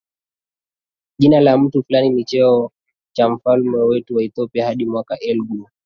jina la mtu fulani ni cheo cha wafalme wote wa Ethiopia hadi mwaka elgu